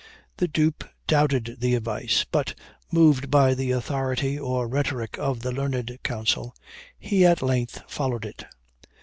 The dupe doubted the advice; but, moved by the authority or rhetoric of the learned counsel, he at length followed it.